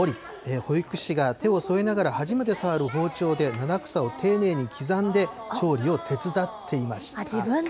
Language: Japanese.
保育士が手を添えながら初めて触る包丁で、七草を丁寧に刻んで調理を手伝っていました。